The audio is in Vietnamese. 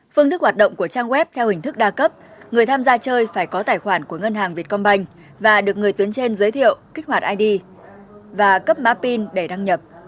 phương thức hoạt động của trang web theo hình thức đa cấp người tham gia chơi phải có tài khoản của ngân hàng việt công banh và được người tuyến trên giới thiệu kích hoạt id và cấp mã pin để đăng nhập